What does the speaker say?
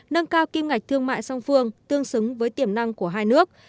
nâng cao kim ngạch thương mại song phương tương xứng với tiềm năng của hai nước